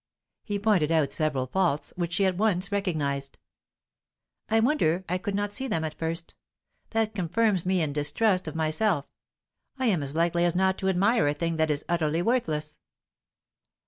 He pointed out several faults, which she at once recognized. "I wonder I could not see them at first That confirms me in distrust of myself. I am as likely as not to admire a thing that is utterly worthless."